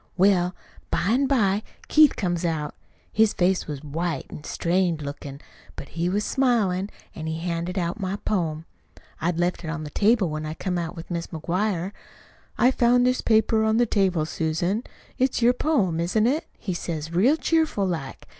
Well, by an' by Keith comes out. His face was white an' strained lookin'. But he was smiling, an' he handed out my poem I'd left it on the table when I come out with Mis' McGuire. 'I found this paper on the table, Susan. It's your poem, isn't it?' he says real cheerful like.